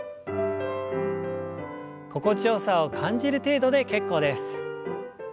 心地よさを感じる程度で結構です。